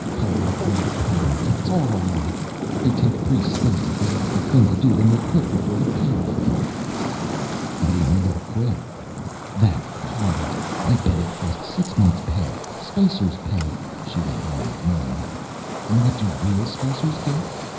polite little pattern cuts, all alike. They take pre space, because it's the thing to do. Then they quit before the pay off comes." "How do you know they'll quit?" "That party I bet it cost six months' pay, spacer's pay," she went on, ignoring him. "And what do real spacers get?